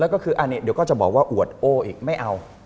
แล้วก็คืออันนี้เดี๋ยวก็จะบอกว่าอวดโอ้อีกไม่เอา